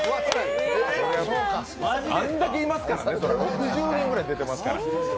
あんだけいますからね、６０人ぐらい出てますから。